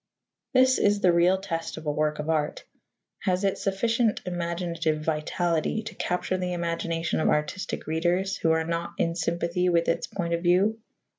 This is the real test of a work of art has it sufficient imaginative vitality to capture the imagination of artistic readers who are not in sympathy with its point of view?